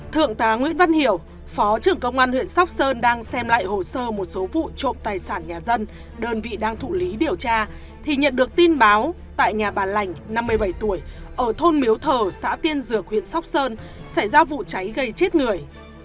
thượng tá nguyễn văn hiểu phó trưởng công an huyện sóc sơn đang xem lại hồ sơ một số vụ trộm tài sản nhà dân đơn vị đang thụ lý điều tra thì nhận được tin báo tại nhà bà lành năm mươi bảy tuổi ở thôn miếu thờ xã tiên dược huyện sóc sơn xảy ra vụ cháy gây chết người